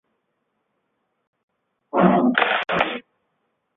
在老哈河与西拉木伦河流域发掘的东胡人墓葬被认为是对上述说法的旁证。